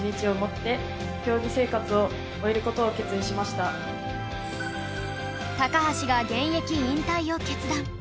私橋が現役引退を決断